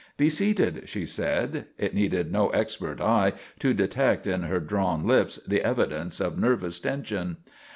"Be seated," she said; it needed no expert eye to detect in her drawn lips the evidence of nervous tension.